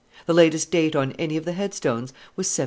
The latest date on any of the headstones was 1780.